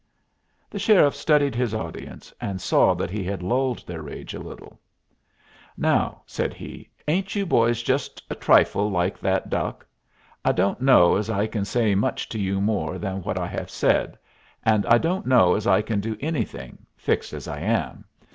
The sheriff studied his audience, and saw that he had lulled their rage a little. "Now," said he, "ain't you boys just a trifle like that duck? I don't know as I can say much to you more than what I have said, and I don't know as I can do anything, fixed as I am.